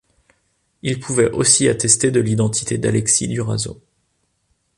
Il pouvait aussi attester de l'identité d'Alexis Durazzo.